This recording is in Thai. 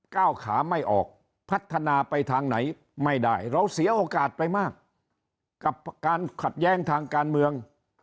ก้าวขาไม่ออกพัฒนาไปทางไหนไม่ได้เราเสียโอกาสไปมากกับการขัดแย้งทางการเมือง